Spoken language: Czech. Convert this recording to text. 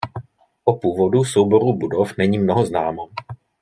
O původu souboru budov není mnoho známo.